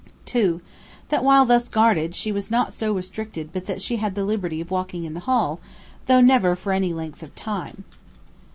2. That while thus guarded, she was not so restricted but that she had the liberty of walking in the hall, though never for any length of time.